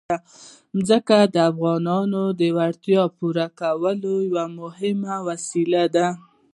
ځمکه د افغانانو د اړتیاوو د پوره کولو یوه مهمه وسیله ده.